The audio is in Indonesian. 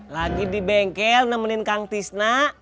lagi di bengkel nemenin kang tisna